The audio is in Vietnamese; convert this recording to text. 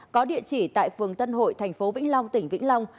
có địa chỉ tại phường tân hội thành phố vĩnh long tỉnh vĩnh long